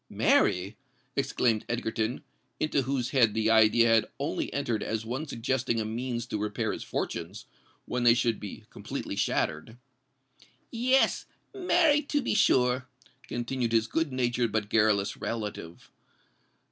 "Marry!" exclaimed Egerton, into whose head the idea had only entered as one suggesting a means to repair his fortunes, when they should be completely shattered. "Yes—marry, to be sure!" continued his good natured but garrulous relative.